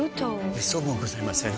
めっそうもございません。